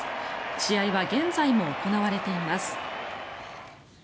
試合は現在も行われています。